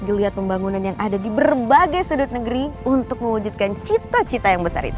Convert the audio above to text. geliat pembangunan yang ada di berbagai sudut negeri untuk mewujudkan cita cita yang besar itu